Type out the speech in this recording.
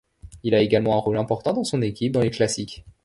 Il a également un rôle important dans son équipe dans les classiques.